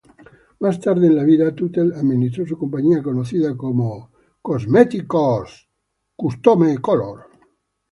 Más tarde en la vida, Tuttle administró su compañía conocida como Custom Color Cosmetics.